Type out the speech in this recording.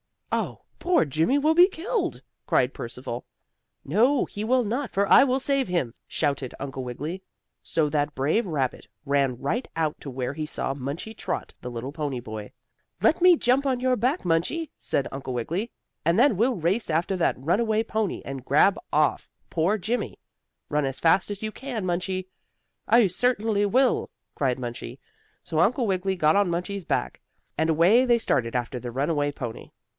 "Oh, poor Jimmie will be killed!" cried Percival. "No, he will not, for I will save him!" shouted Uncle Wiggily. So that brave rabbit ran right out to where he saw Munchie Trot, the little pony boy. "Let me jump on your back, Munchie," said Uncle Wiggily, "and then we'll race after that runaway pony and grab off poor Jimmie. And run as fast as you can, Munchie!" "I certainly will!" cried Munchie. So Uncle Wiggily got on Munchie's back, and away they started after the runaway pony.